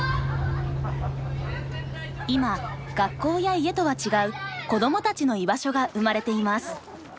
今学校や家とは違う子どもたちの居場所が生まれています。